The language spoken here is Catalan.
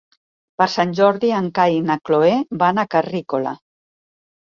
Per Sant Jordi en Cai i na Cloè van a Carrícola.